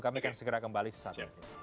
kami akan segera kembali sesat